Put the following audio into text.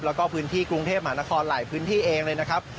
แล้วก็พื้นที่กรุงเทพมหานครหลายพื้นที่เองเลยนะครับ